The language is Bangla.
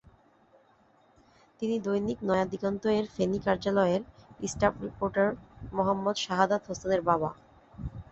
তিনি দৈনিক নয়াদিগন্ত-এর ফেনী কার্যালয়ের স্টাফ রিপোর্টার মোহাম্মদ শাহাদাত হোসেনের বাবা।